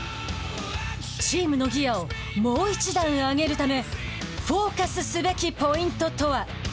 チームのギアをもう一段上げるためフォーカスすべきポイントとは。